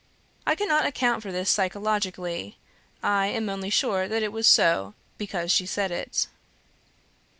I cannot account for this psychologically; I only am sure that it was so, because she said it.